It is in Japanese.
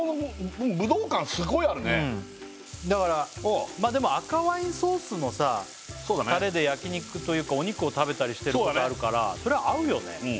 うんまあでも赤ワインソースのタレで焼肉というかお肉を食べたりしてるタレあるからそれは合うよね